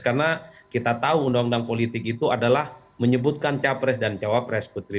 karena kita tahu undang undang politik itu adalah menyebutkan cawapres dan cawapres putri